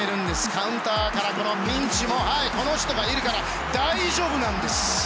カウンターのピンチもこの人がいるから大丈夫なんです！